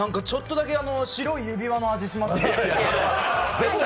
ちょっとだけ白い指輪の味しますね。